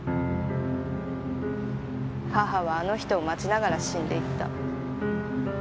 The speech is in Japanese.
母はあの人を待ちながら死んでいった。